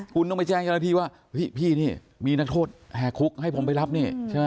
คุณต้องไปแจ้งเจ้าหน้าที่ว่าเฮ้ยพี่นี่มีนักโทษแห่คุกให้ผมไปรับนี่ใช่ไหม